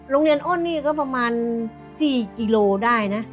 โรงเรียนอ้นนี่ก็ประมาณ๔กิโลได้